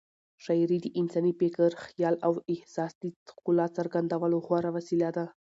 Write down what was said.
شاعري د انساني فکر، خیال او احساس د ښکلا څرګندولو غوره وسیله ده.